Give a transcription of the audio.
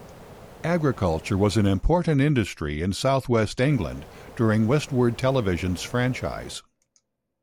Agriculture was an important industry in South West England during Westward Television's franchise.